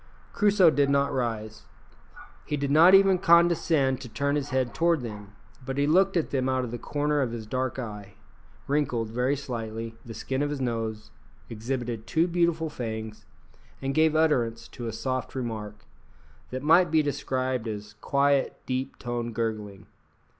Crusoe did not rise. He did not even condescend to turn his head toward them; but he looked at them out of the corner of his dark eye, wrinkled very slightly the skin of his nose, exhibited two beautiful fangs, and gave utterance to a soft remark, that might be described as quiet, deep toned gurgling.